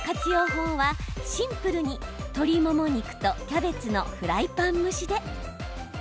法はシンプルに鶏もも肉とキャベツのフライパン蒸しで。